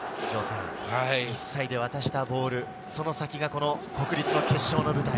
１歳で渡したボール、その先が国立の決勝の舞台。